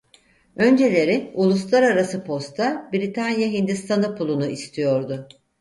Önceleri uluslararası posta Britanya Hindistanı pulunu istiyordu.